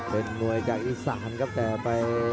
เป็นมวยจากอีสานครับแต่ไป